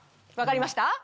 分かりました？